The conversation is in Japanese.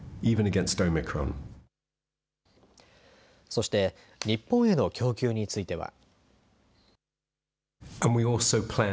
そして日本への供給については。